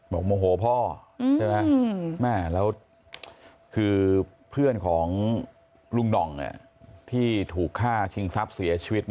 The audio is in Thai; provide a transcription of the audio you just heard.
โมโหพ่อใช่ไหมแม่แล้วคือเพื่อนของลุงหน่องที่ถูกฆ่าชิงทรัพย์เสียชีวิต